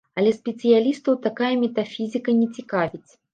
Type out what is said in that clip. Але спецыялістаў такая метафізіка не цікавіць.